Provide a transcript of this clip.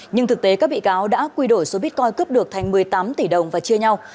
nhưng thực tế các bị cáo đã quy đổi số bitcoin cướp được thành một mươi tám tỷ đồng và chia nhau